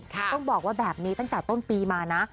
ต้องบอกว่าแบบนี้ตั้งแต่ต้นปีมานะ